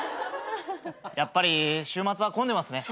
やっぱり週末は混んでますね。